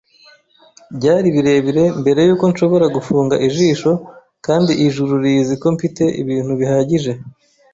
Byari birebire mbere yuko nshobora gufunga ijisho, kandi ijuru rizi ko mfite ibintu bihagije